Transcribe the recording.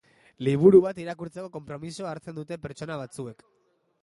Liburu bat irakurtzeko konpromisoa hartzen dute pertsona batzuek.